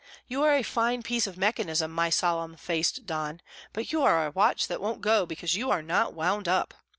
You are a fine piece of mechanism, my solemn faced don, but you are a watch that won't go because you are not wound up.